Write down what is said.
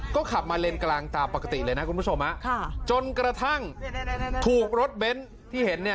ก็ขับมาเลนกลางตามปกติเลยนะคุณผู้ชมจนกระทั่งถูกรถเบ้นที่เห็นเนี่ย